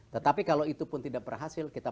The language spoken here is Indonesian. tetapi kalau itu pun tidak berhasil kita